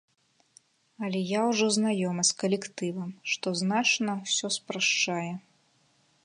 Але я ўжо знаёмы з калектывам, што значна ўсё спрашчае.